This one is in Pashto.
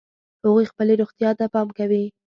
هغوی خپلې روغتیا ته پام کوي